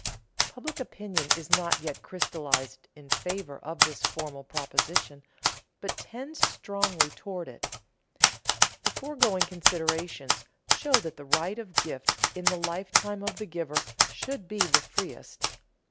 _ Public opinion is not yet crystallized in favor of this formal proposition, but tends strongly toward it. The foregoing considerations show that the right of gift in the lifetime of the giver should be the freest.